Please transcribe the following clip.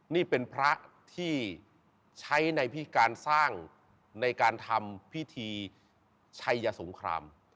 นี่เป็นพระที่ใช้ในพิการสร้างในการทำพิธีชัยสงคราม